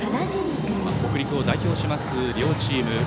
北陸を代表します、両チーム。